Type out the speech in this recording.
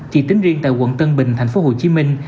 chỉ tính riêng tại quận tân bình thành phố hồ chí minh